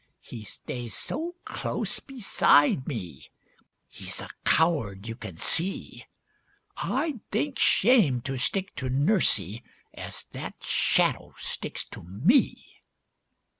He stays so close beside me, he's a coward you can see; I'd think shame to stick to nursie as that shadow sticks to me!